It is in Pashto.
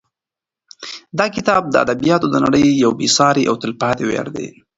دا کتاب د ادبیاتو د نړۍ یو بې سارې او تلپاتې ویاړ دی.